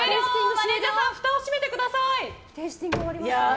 マネジャーさんふたを閉めてください。